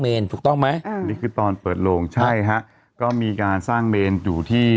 เมนต์ถูกต้องไหมตอนเปิดโรงใช่ฮะก็มีการสร้างเมนต์อยู่ที่